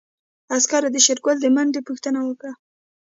عسکرو د شېرګل د منډې پوښتنه وکړه.